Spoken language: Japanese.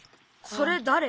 それだれ？